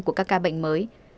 của các ca bệnh mới